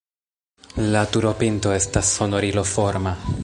La turopinto estas sonoriloforma.